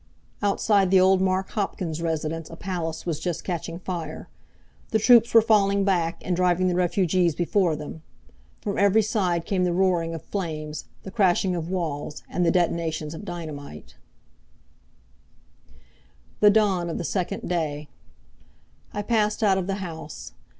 Outside the old Mark Hopkins residence a palace was just catching fire. The troops were falling back and driving the refugees before them. From every side came the roaring of flames, the crashing of walls, and the detonations of dynamite The Dawn of the Second Day I passed out of the house.